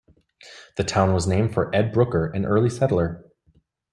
The town was named for Ed Brooker, an early settler.